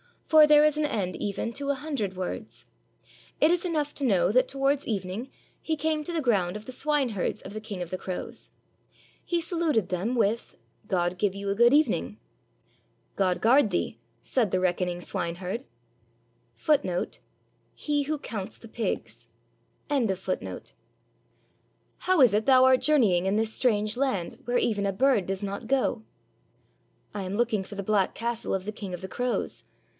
— for there is an end even to a hundred words; it is enough to know that towards evening he came to the ground of the swine herds of the King of the Crows. He saluted them with, "God give you a good evening." 388 THE KING OF THE CROWS "God guard thee," said the reckoning swineherd.^ "How is it thou art journeying in this strange land, where even a bird does not go?" "I am looking for the black castle of the King of the Crows.